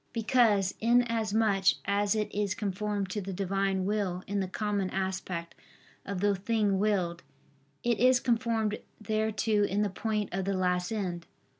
Because inasmuch as it is conformed to the Divine will in the common aspect of the thing willed, it is conformed thereto in the point of the last end.